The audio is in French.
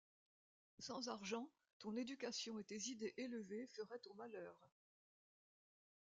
Sans argent, ton éducation et tes idées élevées feraient ton malheur.